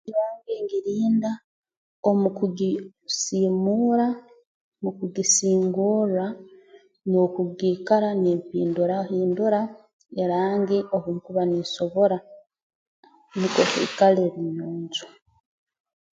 Nju yange ngirinda omu kugi siimuura mu kugisingorra n'oku giikara nimpindahindura erangi obu nkuba ninsobora nukwo ikale eri nyonjo